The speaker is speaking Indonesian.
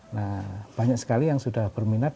nah banyak sekali yang sudah berminat